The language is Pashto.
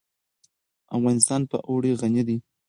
افغانستان په اوړي غني دی.